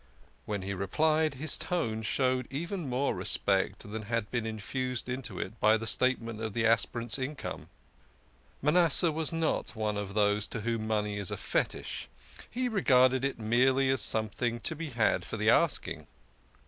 When he replied, his tone showed even more respect than had been infused into it by the statement of the aspirant's income. Manasseh was not of those to whom money is a fetish ; he regarded it merely as something to be had for the asking.